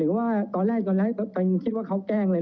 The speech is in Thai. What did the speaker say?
แต่ถ้าดูประสบการณ์คือเป็นถึงผู้บังคับปัญชาในสถานีอย่างนี้ค่ะ